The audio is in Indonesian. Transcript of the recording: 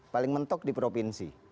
paling mentok di provinsi